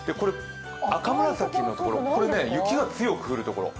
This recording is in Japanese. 赤紫のところ、雪が強く降るところ。